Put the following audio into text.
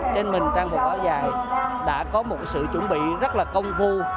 nên mình trang cuộc áo dài đã có một sự chuẩn bị rất là công phu